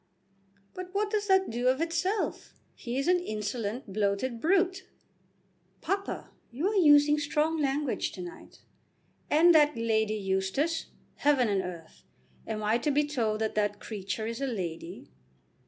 "But what does that do of itself? He is an insolent, bloated brute." "Papa, you are using strong language to night." "And that Lady Eustace! Heaven and earth! Am I to be told that that creature is a lady?"